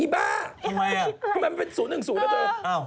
อีบ้าทำไมล่ะทำไมมันเป็น๐๑๐ปะตัว